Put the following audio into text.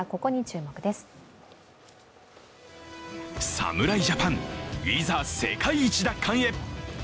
侍ジャパン、いざ世界一奪還へ。